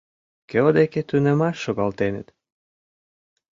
Кӧ деке тунемаш шогалтеныт?